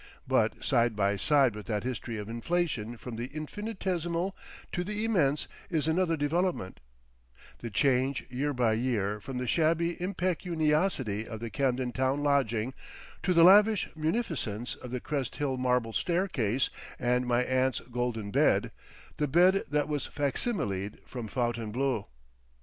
But side by side with that history of inflation from the infinitesimal to the immense is another development, the change year by year from the shabby impecuniosity of the Camden Town lodging to the lavish munificence of the Crest Hill marble staircase and my aunt's golden bed, the bed that was facsimiled from Fontainebleau.